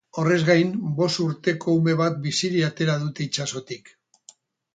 Horrez gain, bost urteko ume bat bizirik atera dute itsasotik.